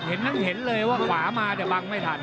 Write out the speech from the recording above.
เห็นทั้งเห็นเลยว่าขวามาแต่บังไม่ทัน